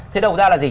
thế đầu ra là gì